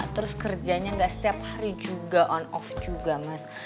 terus kerjanya gak setiap hari juga on off juga mas